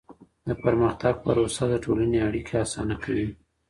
د پرمختګ پروسه د ټولني اړیکي اسانه کوي.